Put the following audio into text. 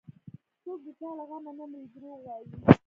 څوك د چا له غمه نه مري دروغ وايي